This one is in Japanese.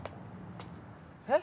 え？